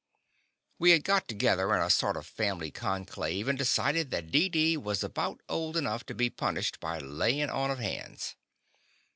We had got together in a sort of family conclave and decided that Deedee was about old enough to be punished by layin' on of hands.